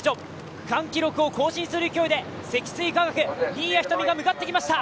区間記録を更新する勢いで、積水化学・新谷仁美が向かってきました。